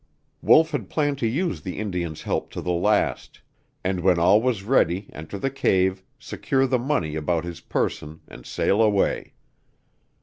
Wolf had planned to use the Indian's help to the last, and when all was ready, enter the cave, secure the money about his person and sail away.